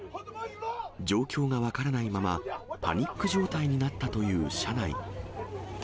状況が分からないまま、パニック状態になったという車内。